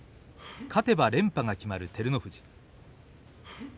勝てば連覇が決まる照ノ富士。